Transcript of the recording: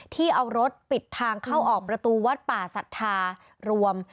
ที่เอารถปิดทางเข้าออกประตูวัดป่าศรัทธารวม